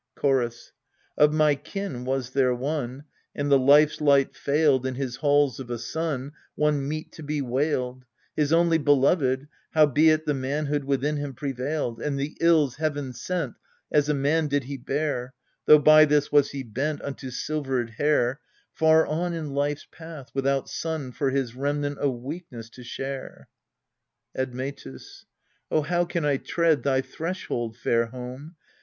ALCESTIS 229 Chorus. Of my kin was there one, And the life's light failed In his halls of a son, One meet to be wailed, His only beloved : howbeit the manhood within him pre vailed ; And the ills heaven sent As a man did he bear, Though by this was he bent Unto silvered hair, Far on in life's path, without son for his remnant of weak ness to care. Admctus. Oh, how can I tread Thy threshold, fair home?